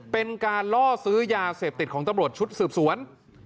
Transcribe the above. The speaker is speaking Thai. เป็นการล่อซื้อยาเสพติดของตำรวจชุดสืบสวน